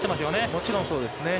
もちろんそうですね。